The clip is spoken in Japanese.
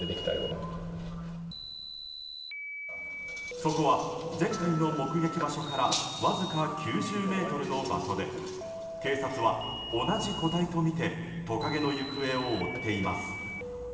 そこは前回の目撃場所からわずか９０ｍの場所で警察は同じ個体とみてトカゲの行方を追っています。